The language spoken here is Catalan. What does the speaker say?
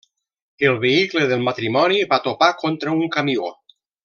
El vehicle del matrimoni va topar contra un camió.